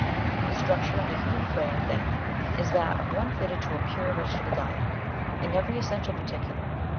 The structure of the human frame then is that of one fitted to a pure vegetable diet, in every essential particular.